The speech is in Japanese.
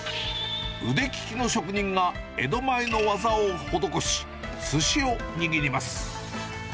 腕利きの職人が江戸前の技を施し、すしを握ります。